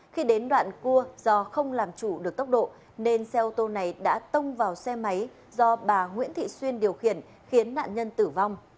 khi đến đoạn cua do không làm chủ được tốc độ nên xe ô tô này đã tông vào xe máy do bà nguyễn thị xuyên điều khiển khiến nạn nhân tử vong